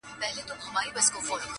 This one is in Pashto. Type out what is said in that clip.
• ګټه نسي کړلای دا دي بهانه ده..